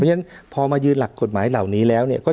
เพราะฉะนั้นพอมายืนหลักกฎหมายเหล่านี้แล้วเนี่ย